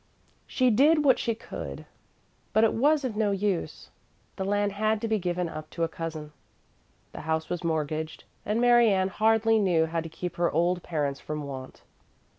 She did what she could, but it was of no use, the land had to be given up to a cousin. The house was mortgaged, and Mary Ann hardly knew how to keep her old parents from want.